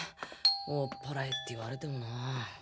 追っ払えって言われてもなぁ。